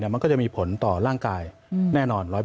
มันก็จะมีผลต่อร่างกายแน่นอน